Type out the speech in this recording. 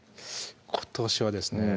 今年はですね